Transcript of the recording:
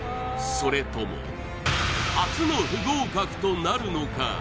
それとも初の不合格となるのか？